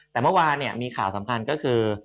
แต่เมื่อวานมีข่าวสำคัญก็คือ